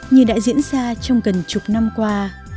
như đã diễn ra trong gần chục năm qua